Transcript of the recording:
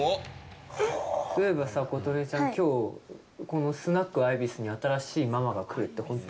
そういえばさ、琴音ちゃん、きょう、このスナックアイビスに新しいママが来るって本当？